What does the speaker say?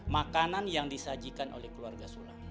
makanan yang disajikan oleh keluarga sula